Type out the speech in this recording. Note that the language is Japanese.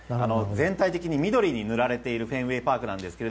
全体的に緑に塗られているフェンウェイパークです。